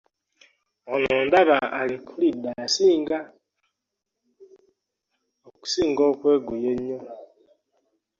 Wano ndaba alekukidde asinga okusinga okweguy ennyo.